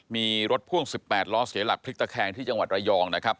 มีรถพ่วง๑๘ล้อเสียหลักพลิกตะแคงที่จังหวัดระยองนะครับ